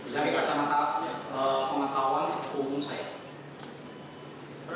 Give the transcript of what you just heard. dari kacamata pematah awam umum saya